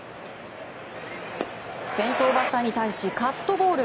先頭バッターに対しカットボール。